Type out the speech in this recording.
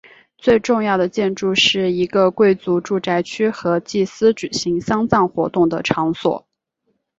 最重要的建筑是一个贵族住宅区和祭司举行丧葬活动的场所。